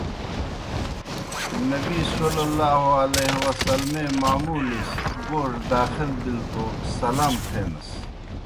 نبیؐ اےْ معمولِس گوڙہ داخل بِلہ توْ سلام تھینَس۔